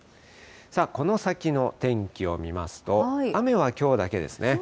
さあ、この先の天気を見ますと、そうなんですね。